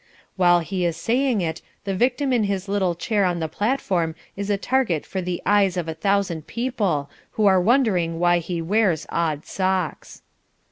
While he is saying it the victim in his little chair on the platform is a target for the eyes of a thousand people who are wondering why he wears odd socks.